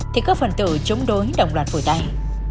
thì các phần tử chống đối đồng loạt phủ tay